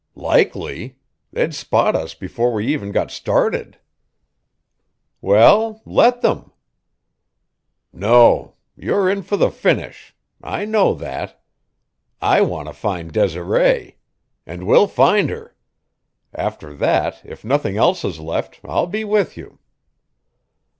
"Likely! They'd spot us before we even got started." "Well let them." "No. You're in for the finish. I know that. I want to find Desiree. And we'll find her. After that, if nothing else is left, I'll be with you."